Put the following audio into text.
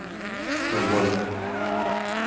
То је боље.